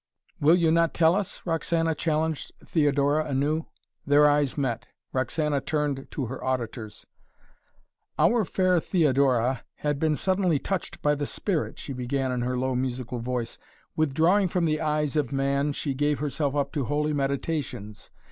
"Will you not tell us?" Roxana challenged Theodora anew. Their eyes met. Roxana turned to her auditors. "Our fair Theodora had been suddenly touched by the spirit," she began in her low musical voice. "Withdrawing from the eyes of man she gave herself up to holy meditations.